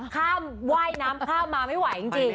ว่ายน้ำข้ามมาไม่ไหวจริง